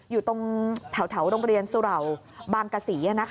อยู่ตรงแถวโรงเรียนสุเหล่าบางกษี